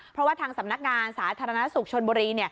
เพราะว่าทางสำนักงานสาธารณสุขชนบุรี